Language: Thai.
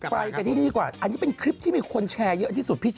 ไปกันที่นี่ก่อนอันนี้เป็นคลิปที่มีคนแชร์เยอะที่สุดพี่แ